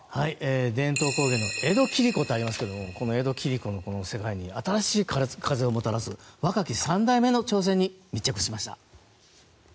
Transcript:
伝統工芸・江戸切子とありますけど、江戸切子の世界に新しい風をもたらす若き３代目の挑戦に密着しました。